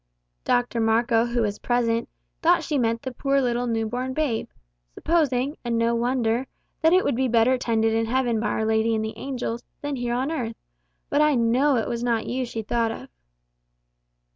Doctor Marco, who was present, thought she meant the poor little new born babe supposing, and no wonder, that it would be better tended in heaven by Our Lady and the angels, than here on earth. But I know it was not you she thought of."